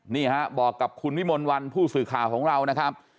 นี่ฮะบอกกับคุณวิมลวันผู้สื่อข่าวของเรานะครับ